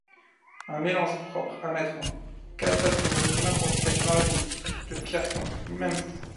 Un mélange propre à mettre en catatonie n’importe quel Marionnettiste de Pierson, même fou.